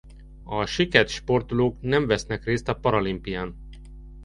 A siket sportolók nem vesznek részt a paralimpián.